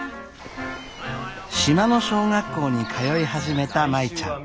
島の小学校に通い始めた舞ちゃん。